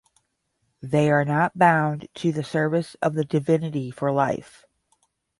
They are not bound to the service of the divinity for life.